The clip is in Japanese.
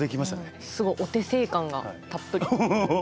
すごいお手製感がたっぷり。